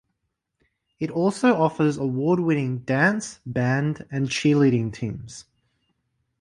It also offers award winning Dance, Band and Cheerleading teams.